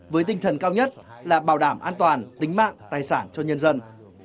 với tinh thần cao nhất là bảo đảm an toàn tính mạng tài sản cho nhân dân